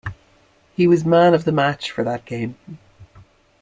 He was man of the match for that game.